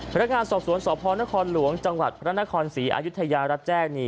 พนักงานสอบสวนสพนครหลวงจังหวัดพระนครศรีอายุทยารับแจ้งนี่